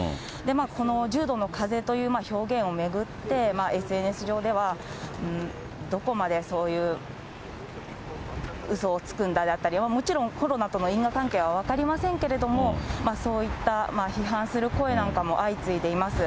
この重度のかぜという表現を巡って、ＳＮＳ上では、どこまでそういううそをつくんだだったり、もちろん、コロナとの因果関係は分かりませんけれども、そういった批判する声なんかも相次いでいます。